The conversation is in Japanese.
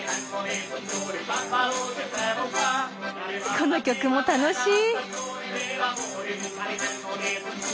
この曲も楽しい。